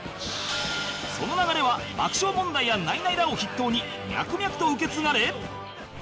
その流れは爆笑問題やナイナイらを筆頭に脈々と受け継がれ